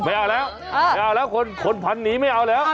ไม่เอาแล้วคนพันธุ์นี้ไม่เอาแล้ว